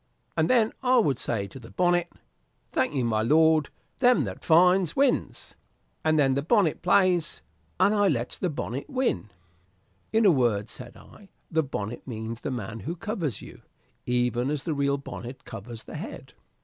And then I would say to the bonnet, 'Thank you, my lord, them that finds, wins.' And then the bonnet plays, and I lets the bonnet win." "In a word," said I, "the bonnet means the man who covers you, even as the real bonnet covers the head."